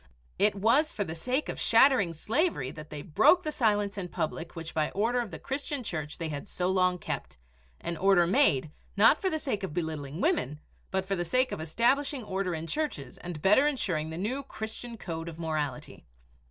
It was for the sake of shattering slavery that they broke the silence in public which by order of the Christian Church they had so long kept an order made, not for the sake of belittling women, but for the sake of establishing order in churches and better insuring the new Christian code of morality.